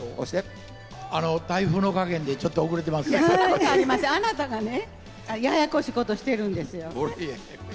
台風の加減で、ちょっと遅れあなたがね、ややこしいことをしてるんですよ。